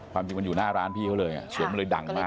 ความจริงมันอยู่หน้าร้านพี่เขาเลยเสียงมันเลยดังมาก